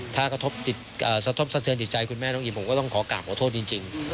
ถ้ากระทบสะเทือนจิตใจคุณแม่น้องอิ่มผมก็ต้องขอกราบขอโทษจริง